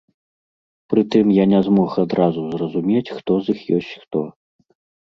Пры тым, я не змог адразу зразумець, хто з іх ёсць хто.